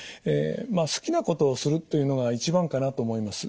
まあ好きなことをするというのが一番かなと思います。